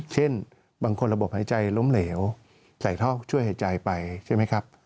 เช่นบางคนระบบหายใจล้มเหลวใส่ท่อช่วยหายใจไปใช่ไหมครับ